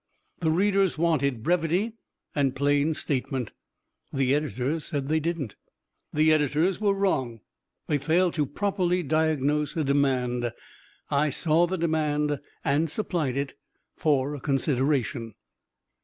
The readers wanted brevity and plain statement the editors said they didn't. The editors were wrong. They failed to properly diagnose a demand. I saw the demand and supplied it for a consideration.